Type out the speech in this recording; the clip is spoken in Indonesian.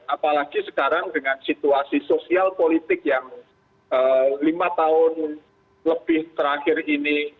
apalagi sekarang dengan situasi sosial politik yang lima tahun lebih terakhir ini